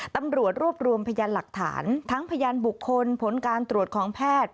ตำรวจรวบรวมพยานหลักฐานทั้งพยานบุคคลผลการตรวจของแพทย์